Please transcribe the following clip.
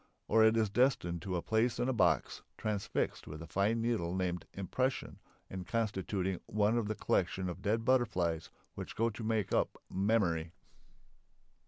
Or it is destined to a place in a box, transfixed with the fine needle named "impression" and constituting one of the collection of dead butterflies which go to make up "memory."